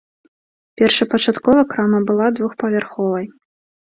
Першапачаткова крама была двухпавярховай.